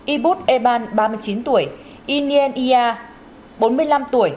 y bút e ban ba mươi chín tuổi y nien yia bốn mươi năm tuổi